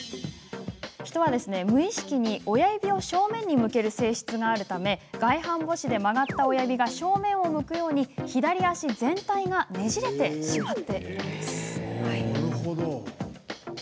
人は無意識に親指を正面に向ける性質があるため外反母趾で曲がった親指が正面を向くように、左足全体がねじれてしまっているんです。